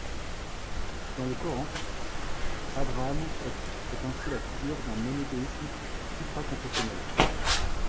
Dans le Coran, Abraham est ainsi la figure d'un monothéisme supraconfessionel.